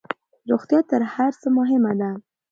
روغتيا تر هرڅه مهمه ده